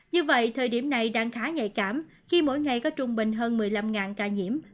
như vậy thời điểm này đang khá nhạy cảm khi mỗi ngày có trung bình hơn một mươi năm ca nhiễm